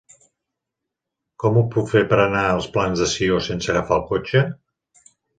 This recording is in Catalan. Com ho puc fer per anar als Plans de Sió sense agafar el cotxe?